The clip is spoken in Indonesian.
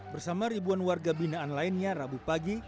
bersama ribuan warga binaan lainnya rabu pagi